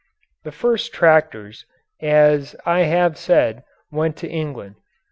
The first tractors, as I have said, went to England.